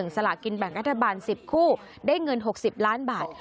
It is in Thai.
สลากินแบ่งรัฐบาล๑๐คู่ได้เงิน๖๐ล้านบาท